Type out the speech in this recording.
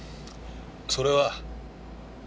それは。